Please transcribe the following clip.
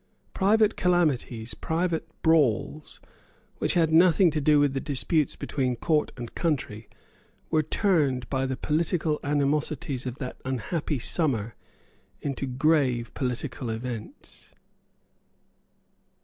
Private calamities, private brawls, which had nothing to do with the disputes between court and country, were turned by the political animosities of that unhappy summer into grave political events.